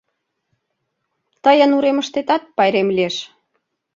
Тыйын уремыштетат пайрем лиеш.